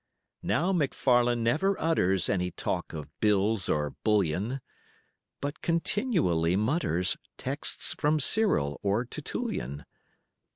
Now McFarlane never utters Any talk of bills or bullion, But continually mutters Texts from Cyril or Tertullian.